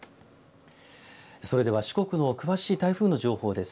それでは四国の詳しい台風の情報です。